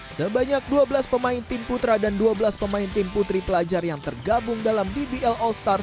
sebanyak dua belas pemain tim putra dan dua belas pemain tim putri pelajar yang tergabung dalam dbl all star